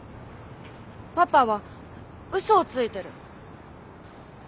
パパはうそをついてる。